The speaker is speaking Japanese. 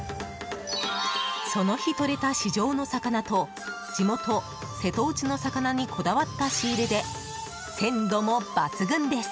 その日とれた市場の魚と地元・瀬戸内の魚にこだわった仕入れで鮮度も抜群です。